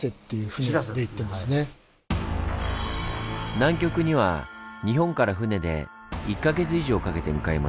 南極には日本から船で１か月以上かけて向かいます。